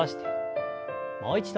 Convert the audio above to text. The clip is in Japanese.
もう一度。